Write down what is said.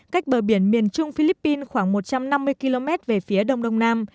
cách bờ biển miền trung philippines khoảng một trăm năm mươi km về phía đông đông nam